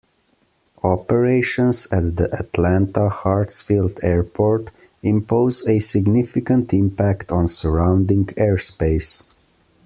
Operations at the Atlanta Hartsfield Airport impose a significant impact on surrounding airspace.